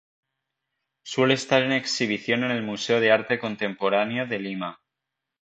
Suele estar en exhibición en el Museo de Arte Contemporáneo de Lima.